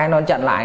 nó chặn lại